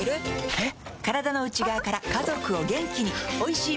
えっ？